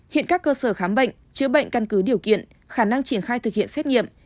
hiện các cơ sở khám bệnh chữa bệnh căn cứ điều kiện khả năng triển khai thực hiện xét nghiệm